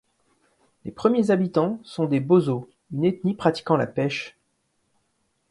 Les premiers habitants sont des bozos, une ethnie pratiquant la pêche.